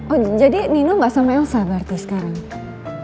oh jadi nino nggak sama elsa berarti sekarang